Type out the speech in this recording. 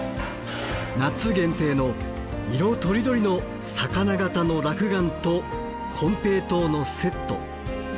夏限定の色とりどりの魚形の落雁と金平糖のセット。